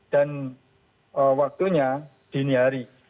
dan waktunya dini hari